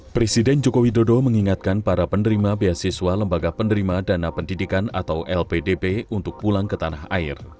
presiden joko widodo mengingatkan para penerima beasiswa lembaga penerima dana pendidikan atau lpdp untuk pulang ke tanah air